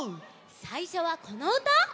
さいしょはこのうた！